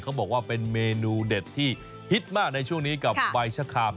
เขาบอกว่าเป็นเมนูเด็ดที่ฮิตมากในช่วงนี้กับใบชะคาม